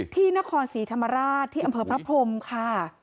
ที่นครศรีธรรมราชที่อำเภอพระพรมค่ะ